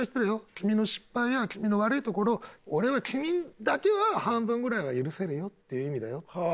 君の失敗や君の悪いところを俺は君だけは半分ぐらいは許せるよっていう意味だよって。